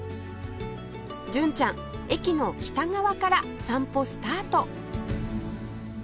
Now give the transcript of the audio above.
純ちゃん駅の北側から散歩スタート